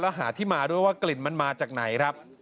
หาที่มาด้วยว่ากลิ่นมันมาจากไหนครับ